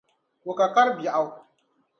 O ka kar'biɛɣu.